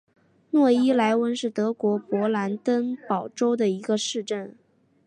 诺伊莱温是德国勃兰登堡州的一个市镇。